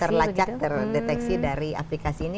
terlacak terdeteksi dari aplikasi ini